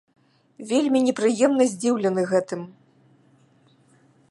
Вельмі непрыемна здзіўлены гэтым.